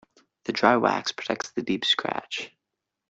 The dry wax protects the deep scratch.